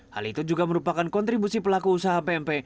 hal itu juga merupakan kontribusi pelaku usaha pmp